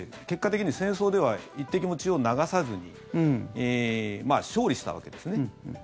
結果的には戦争では一滴も血を流さずに勝利したわけですね。